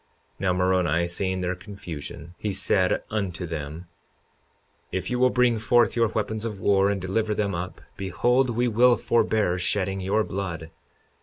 52:37 Now Moroni seeing their confusion, he said unto them: If ye will bring forth your weapons of war and deliver them up, behold we will forbear shedding your blood.